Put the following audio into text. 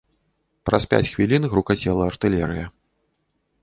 Праз пяць хвілін грукацела артылерыя.